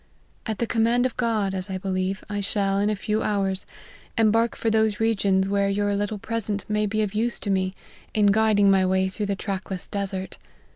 At the command of God, as I believe, I shall, in a few hours, embark for those regions where your little present may be of use to me, in guiding my way through the trackless desert.